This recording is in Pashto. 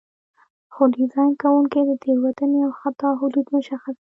خو ډیزاین کوونکي د تېروتنې او خطا حدود مشخص کوي.